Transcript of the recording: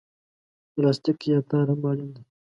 پلاستیک یا تار هم اړین دي.